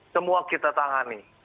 semua kita tangani